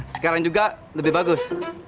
sekarang juga lebih bagus